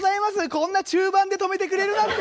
こんな中盤で止めてくれるなんて！」